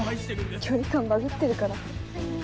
距離感バグってるから。